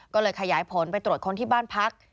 ก็เลยขยายผลไปตรวจคนที่บ้านพัก